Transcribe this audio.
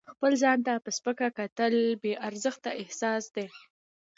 خپل ځان ته په سپکه کتل بې ارزښته احساسات دي.